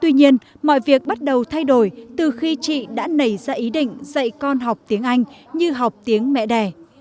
tuy nhiên mọi việc bắt đầu thay đổi từ khi chị đã nảy ra ý định dạy con học tiếng anh như học tiếng mẹ đẻ